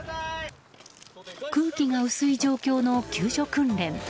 空気が薄い状況の救助訓練。